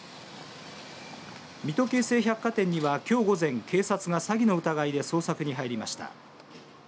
水戸京成百貨店にはきょう午前警察が詐欺の疑いで捜索に入りました。